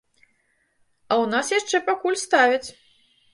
А ў нас яшчэ пакуль ставяць!